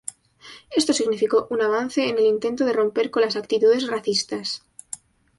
Esto significó un avance en el intento de romper con las actitudes racistas.